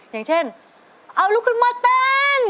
อย่างเช่นเอาลุกขึ้นมาเต้น